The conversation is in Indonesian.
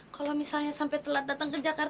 kalau misalnya sampai telat datang ke jakarta